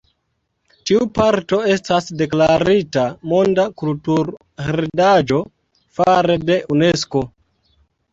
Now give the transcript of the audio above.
Tiu parto estas deklarita monda kulturheredaĵo fare de Unesko.